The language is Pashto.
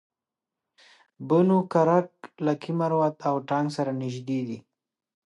بنو کرک لکي مروت او ټانک سره نژدې دي